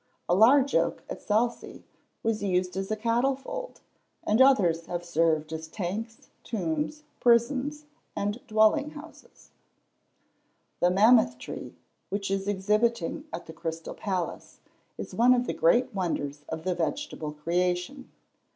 A large oak at Salcey, was used as a cattle fold; and others have served as tanks, tombs, prisons, and dwelling houses. The Mammoth tree, which is exhibiting at the Crystal Palace, is one of the great wonders of the vegetable creation.